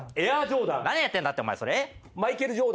何やってんだってお前。